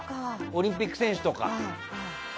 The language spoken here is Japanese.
オリンピック選手とか。